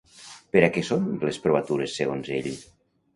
Per a què són les provatures segons ell?